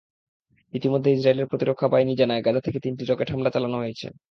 ইতিমধ্যে ইসরায়েলের প্রতিরক্ষা বাহিনী জানায়, গাজা থেকে তিনটি রকেট হামলা চালানো হয়েছে।